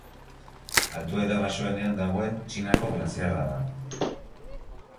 Altuera baxuenean dagoen Txinako glaziarra da.